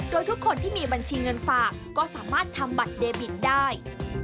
โดยทุกคนที่มีบัญชีเงินฝากก็สามารถทำบัตรเดบิตได้